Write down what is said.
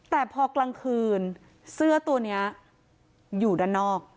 แต่พอกลางคืนเสื้อตัวนี้อยู่ด้านนอก